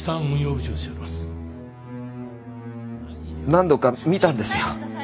何度か見たんですよ。